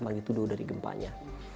bagi tuduh dari gempanya